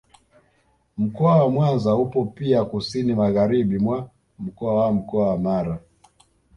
Mkoa wa Mwanza upo pia kusini magharibi mwa mkoa wa Mkoa wa Mara